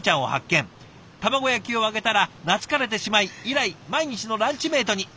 卵焼きをあげたら懐かれてしまい以来毎日のランチメートに。